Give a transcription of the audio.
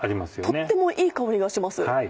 とってもいい香りがします。